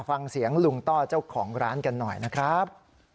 ฟังเสียงลุงต้อเจ้าของร้านกันหน่อยนะครับ